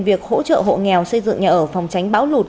việc hỗ trợ hộ nghèo xây dựng nhà ở phòng tránh bão lụt